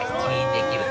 できる